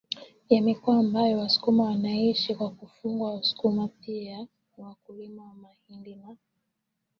ya mikoa ambayo wasukuma wanaishi na kufugaWasukuma pia ni wakulima wa mahindi na